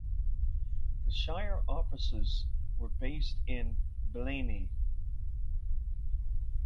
The shire offices were based in Blayney.